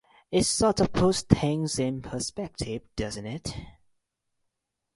It sort of puts things in perspective, doesn't it?